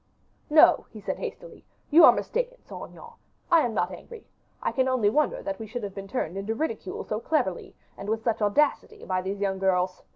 "No," he said, hastily; "you are mistaken, Saint Aignan; I am not angry; I can only wonder that we should have been turned into ridicule so cleverly and with such audacity by these young girls.